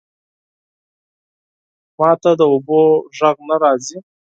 ماته د اوبو ژغ نه راځی